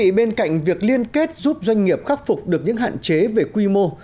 bên cạnh việc liên kết giúp doanh nghiệp khắc phục được những hạn chế về quy mô